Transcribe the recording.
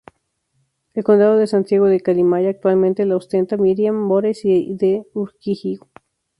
El condado de Santiago de Calimaya actualmente lo ostenta Myriam Bores y de Urquijo.